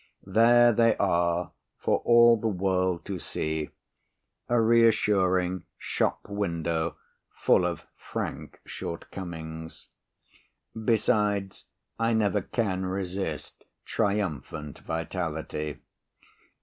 There they are for all the world to see, a reassuring shop window full of frank shortcomings. Besides, I never can resist triumphant vitality.